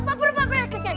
perut perut perut